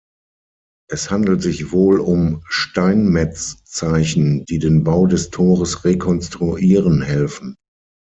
Es handelt sich wohl um Steinmetzzeichen, die den Bau des Tores rekonstruieren helfen.